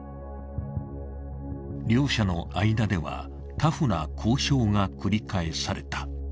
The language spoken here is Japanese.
両者の間ではタフな交渉が繰り返された。